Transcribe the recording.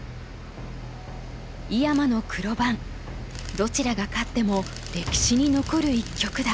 どちらが勝っても歴史に残る一局だ。